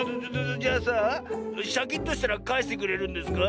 じゃあさシャキッとしたらかえしてくれるんですか？